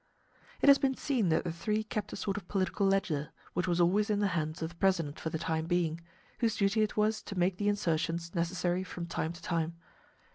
It has been seen that the three kept a sort of political ledger, which was always in the hands of the president for the time being, whose duty it was to make the insertions necessary from time to time.